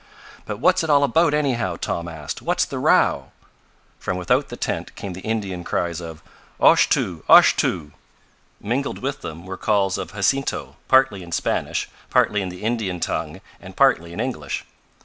"But what's it all about, anyhow?" Tom asked. "What's the row?" From without the tent came the Indian cries of: "Oshtoo! Oshtoo!" Mingled with them were calls of Jacinto, partly in Spanish, partly in the Indian tongue and partly in English.